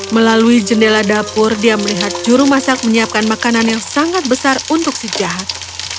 melalui jendela dapur dia melihat juru masak menyiapkan makanan yang sangat besar untuk si jahat